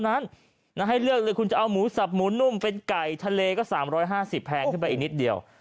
นั้นให้เลือกเลยคุณจะเอาหมูสับหมูนุ่มเป็นไก่ทะเลก็๓๕๐แพงขึ้นไปอีกนิดเดียว